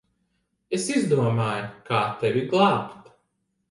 Es izdomāju, kā tevi glābt.